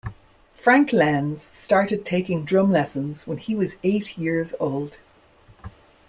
Frank Lenz started taking drum lessons when he was eight years old.